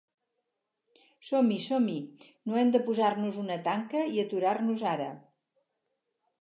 Som-hi, som-hi, no hem de posar una tanca i aturar-nos ara.